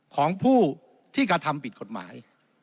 ของผู้ที่กระทำผิดกฎหมาย